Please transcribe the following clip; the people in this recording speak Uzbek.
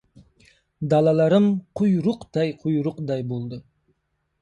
Dalalarim quyruqday-quyruqday bo‘ldi.